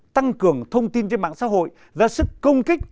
tăng cường thông tin trên mạng xã hội ra sức công kích